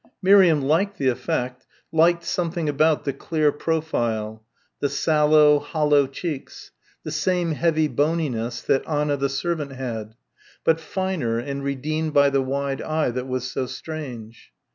Miriam liked the effect, liked something about the clear profile, the sallow, hollow cheeks, the same heavy bonyness that Anna the servant had, but finer and redeemed by the wide eye that was so strange.